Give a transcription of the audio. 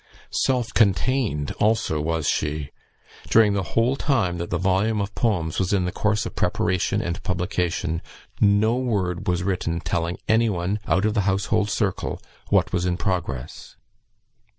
Self contained also was she. During the whole time that the volume of poems was in the course of preparation and publication, no word was written telling anyone, out of the household circle, what was in progress.